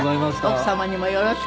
奥様にもよろしく。